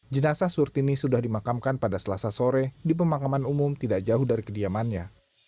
jenazah surtini sudah dimakamkan pada selasa sore di pemakaman umum tidak jauh dari kediamannya